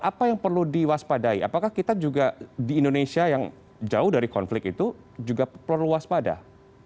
apa yang perlu diwaspadai apakah kita juga di indonesia yang jauh dari konflik itu juga perlu waspada